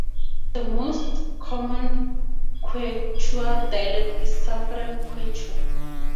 The most common Quechua dialect is Southern Quechua.